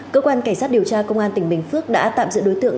cơ quan cảnh sát điều tra công an tỉnh bình phước đã tạm giữ đối tượng